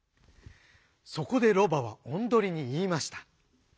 そこでロバはおんどりに言いました。